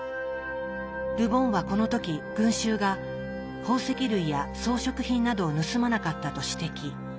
ル・ボンはこの時群衆が宝石類や装飾品などを盗まなかったと指摘。